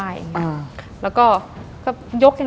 ดิงกระพวน